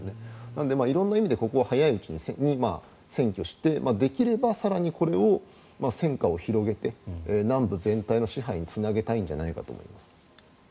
なので、色々な意味でここは早いうちに占拠してできれば更にこれを戦火を広げて南部全体の支配につなげたいんじゃないかと思います。